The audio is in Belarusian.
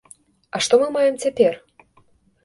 А што мы маем цяпер?